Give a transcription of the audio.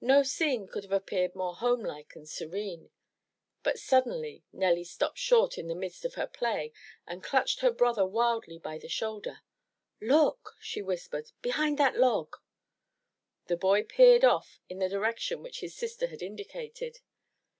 No scene could have appeared more homelike and serene. But suddenly Nelly stopped short in the midst of her play and clutched her brother wildly by the shoulder. "Look,'* she whispered, "behind that log.'* The boy peered off in the direction which his sister had indi cated.